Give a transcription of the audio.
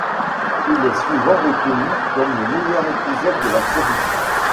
Il est souvent reconnu comme le meilleur épisode de la série '.